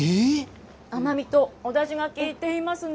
甘みとおだしがきいていますね。